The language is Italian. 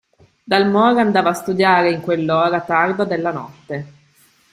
Dalmor andava a studiare in quell'ora tarda della notte.